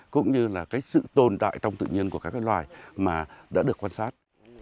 cũng như là cái sự tồn tại trong tự nhiên của các cái loài mà đã được quan sát